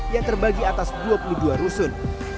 yang terbagi atas dua puluh dua rusun